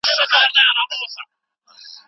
امید د ژوند د بقا لپاره اړین دی.